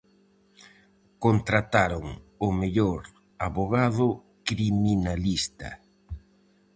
Contrataron o mellor avogado criminalista.